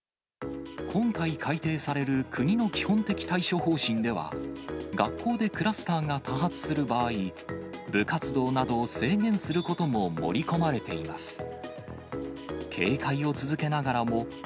今回改定される国の基本的対処方針では、学校でクラスターが多発する場合、部活動などを制限することも盛り込まれています。